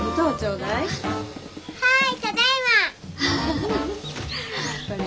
はい。